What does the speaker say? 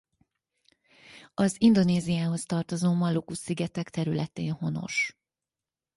Az Indonéziához tartozó Maluku-szigetek területén honos.